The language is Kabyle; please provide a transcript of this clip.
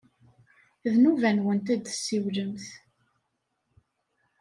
D nnuba-nwent ad d-tessiwlemt.